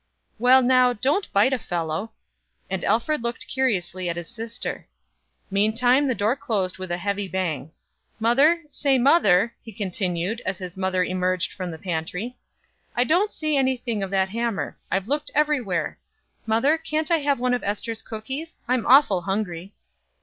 "Well now, don't bite a fellow." And Alfred looked curiously at his sister. Meantime the door closed with a heavy bang. "Mother, say, mother," he continued, as his mother emerged from the pantry, "I don't see any thing of that hammer. I've looked every where. Mother, can't I have one of Ester's cookies? I'm awful hungry."